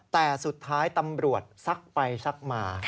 แต่สุดท้ายตำรวจซักไปซักมา